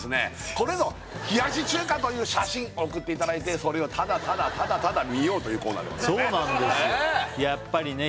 これぞ冷やし中華という写真送っていただいてそれをただただただただ見ようというコーナーでございますねそうなんです